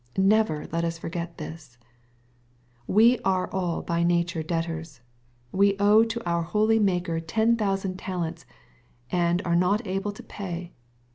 Never let us forget this 1 We are all by nature debtors. We owe to our holy Maker ten thousand talents, and are not able to pay.